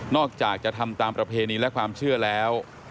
อกจากจะทำตามประเพณีและความเชื่อแล้ว